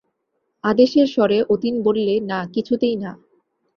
আদেশের স্বরে অতীন বললে, না, কিছুতেই না।